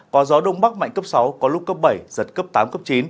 có gió đông bắc mạnh cấp sáu có lúc cấp bảy giật cấp tám cấp chín